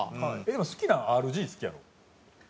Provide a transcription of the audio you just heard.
えっでも好きなＲＧ好きやろ？